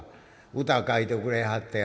歌書いてくれはったんや。